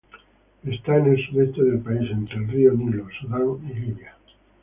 Está en el sudoeste del país, entre el río Nilo, Sudán y Libia.